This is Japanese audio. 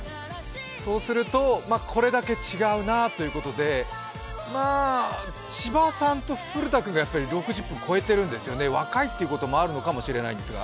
そうするとこれだけ違うなということで千葉さんと古田君が６０分超えてるんですよね、若いっていうこともあるかもしれないんですが。